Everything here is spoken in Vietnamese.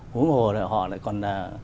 hồi hồi họ lại còn